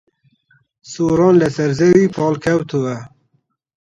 سۆران لەسەر زەوی پاڵکەوتووە.